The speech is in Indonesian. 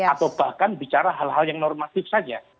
atau bahkan bicara hal hal yang normatif saja